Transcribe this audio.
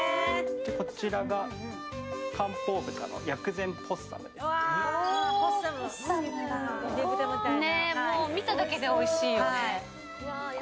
こちらが、漢方豚の薬膳ポッサムでございます。